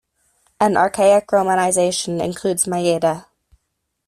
An archaic romanization includes Mayeda.